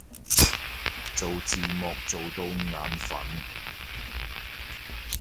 做字幕做到眼憤